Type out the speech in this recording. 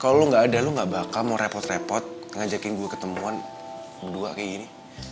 kalau lo gak ada lo gak bakal mau repot repot ngajakin gue ketemuan berdua kayak gini